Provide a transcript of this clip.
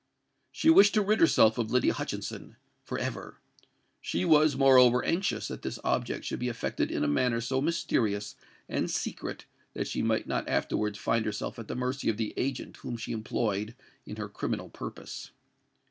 She wished to rid herself of Lydia Hutchinson—for ever! She was moreover anxious that this object should be effected in a manner so mysterious and secret that she might not afterwards find herself at the mercy of the agent whom she employed in her criminal purpose.